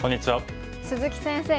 鈴木先生